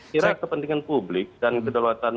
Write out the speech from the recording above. kira kepentingan publik dan kedaulatan